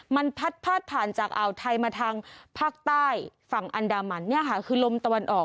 มันพัดพาดผ่านจากอ่าวไทยมาทางภาคใต้ฝั่งอันดามันเนี่ยค่ะคือลมตะวันออก